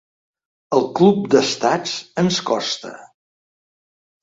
El club d’estats ens costa.